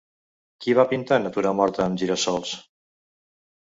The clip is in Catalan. Qui va pintar Natura morta amb gira-sols?